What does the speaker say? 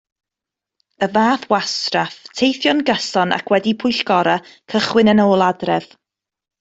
Y fath wastraff, teithio'n gyson ac wedi pwyllgora, cychwyn yn ôl adref.